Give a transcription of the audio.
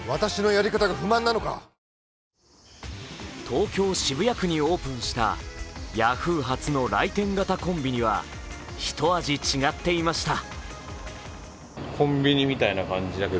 東京・渋谷区にオープンしたヤフー初の来店型コンビニは一味違っていました。